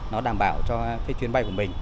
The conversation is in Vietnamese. nó đảm bảo cho cái chuyến bay của mình